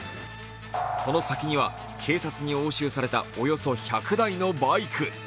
その先には、警察に押収されたおよそ１００台のバイク。